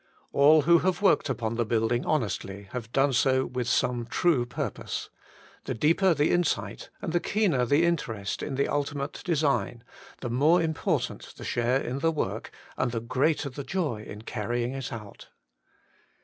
All who have worked upon the building honestly have done so with some true purpose. The deeper the insight and the keener the in terest in the ultimate design, the more im portant the share in the work, and the greater the joy in carrying it out.